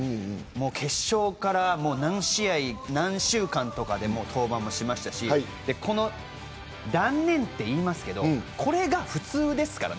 決勝から何試合、何週間とかで登板しましたし断念って言いますけどこれが普通ですから。